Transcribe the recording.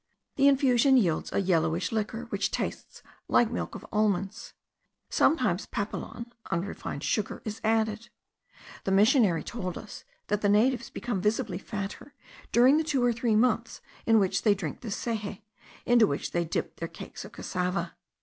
The infusion yields a yellowish liquor, which tastes like milk of almonds. Sometimes papelon (unrefined sugar) is added. The missionary told us that the natives become visibly fatter during the two or three months in which they drink this seje, into which they dip their cakes of cassava.